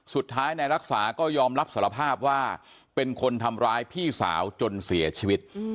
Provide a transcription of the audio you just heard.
สุดท้ายนายรักษาก็ยอมรับสารภาพว่าเป็นคนทำร้ายพี่สาวจนเสียชีวิต